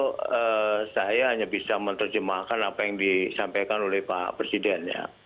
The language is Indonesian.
tentu saya hanya bisa menerjemahkan apa yang disampaikan oleh pak presiden ya